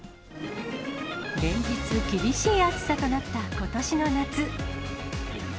連日、厳しい暑さとなったことしの夏。